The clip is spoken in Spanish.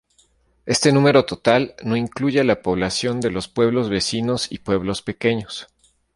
Este número total no incluye la población de los pueblos vecinos y pueblos pequeños.